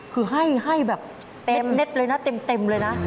คือให้แบบเต็มเน็ตเลยนะเต็มเลยนะ